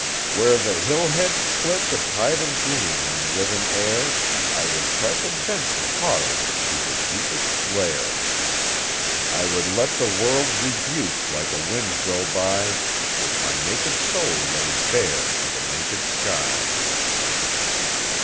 "Where the hill heads split the tide Of green and living air, I would press Adventure hard To her deepest lair. I would let the world's rebuke Like a wind go by, With my naked soul laid bare To the naked sky."